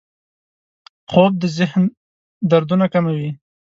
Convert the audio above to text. خوب د ذهنو دردونه کموي